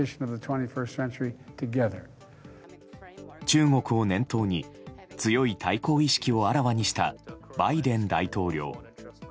中国を念頭に、強い対抗意識をあらわにしたバイデン大統領。